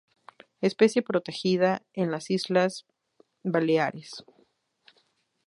Especie protegida en las Islas Baleares.